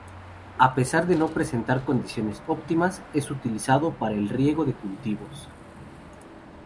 A pesar de no presentar condiciones óptimas es utilizado para el riego de cultivos.